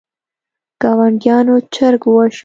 ګاونډیانو چرګ وواژه.